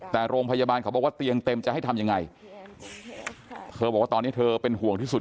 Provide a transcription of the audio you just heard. แต่โรงพยาบาลเขาบอกว่าเตียงเต็มจะให้ทำยังไงเธอบอกว่าตอนนี้เธอเป็นห่วงที่สุด